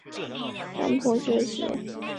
于是他躺在山坡顶上休息。